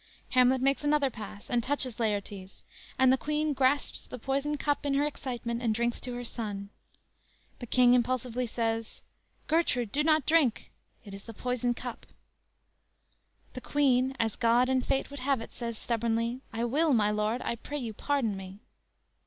"_ Hamlet makes another pass and touches Laertes, and the Queen grasps the poison cup in her excitement and drinks to her son. The King impulsively says: "Gertrude, do not drink!" (Aside) "It is the poisoned cup!" The Queen, as God and Fate would have it, says stubbornly: _"I will, my lord, I pray you pardon me!"